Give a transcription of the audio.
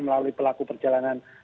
melalui pelaku perjalanan